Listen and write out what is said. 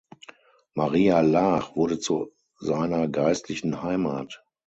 Maria Laach wurde zu seiner geistlichen Heimat.